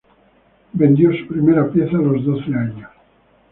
Vendió su primera pieza a los doce años.